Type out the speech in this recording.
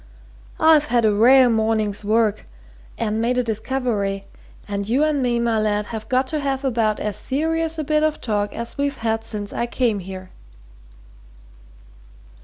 "I've had a rare morning's work, and made a discovery, and you and me, my lad, have got to have about as serious a bit of talk as we've had since I came here."